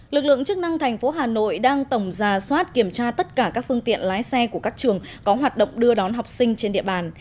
lực lượng chức năng thành phố hà nội đang tổng ra soát kiểm tra tất cả các phương tiện lái xe của các trường có hoạt động đưa đón học sinh trên địa bàn